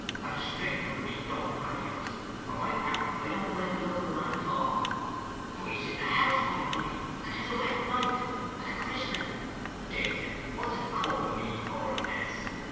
And a stranger unbeknown to any of us. For my part, I don't like the look o' the man at all.' 'But he's in the house, my honey; and 'tis a wet night, and a christening. Daze it, what's a cup of mead more or less?